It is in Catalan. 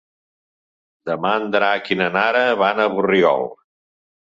Demà en Drac i na Nara van a Borriol.